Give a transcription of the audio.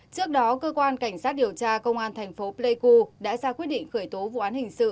trước đó cơ quan cảnh sát điều tra công an tp playcu đã ra quyết định khởi tố vụ án hình sự